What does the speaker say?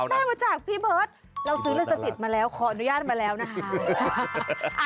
ได้มาจากพี่เบิร์ตเราซื้อลิขสิทธิ์มาแล้วขออนุญาตมาแล้วนะคะ